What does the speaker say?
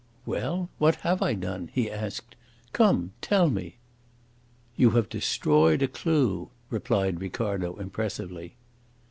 "Well, what have I done?" he asked. "Come! tell me!" "You have destroyed a clue," replied Ricardo impressively.